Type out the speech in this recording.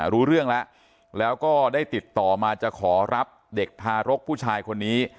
รู้เรื่องแล้วแล้วก็ได้ติดต่อมาจะขอรับเด็กทารกผู้ชายคนนี้